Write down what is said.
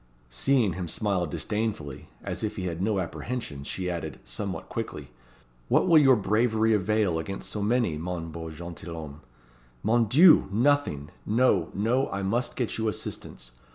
Seeing him smile disdainfully, as if he had no apprehensions, she added, somewhat quickly "What will your bravery avail against so many, mon beau gentilhomme? Mon Dieu! nothing. No! no! I must get you assistance.